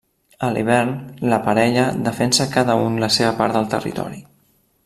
A l'hivern, la parella defensa cada un la seva part del territori.